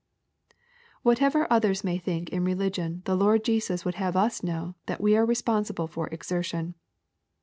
'' Whatever others may think in religion the Lord Jesus would have us know that we are responsible for exertion.